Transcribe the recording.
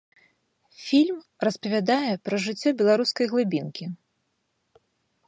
Фільм распавядае пра жыццё беларускай глыбінкі.